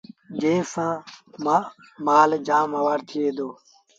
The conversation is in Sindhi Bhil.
جݩهݩ سآݩ مآل جآم موآڙ ٿئي دو